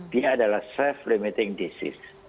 dia adalah self limiting disease